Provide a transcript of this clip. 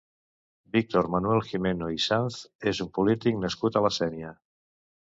Víctor Manuel Gimeno i Sanz és un polític nascut a la Sénia.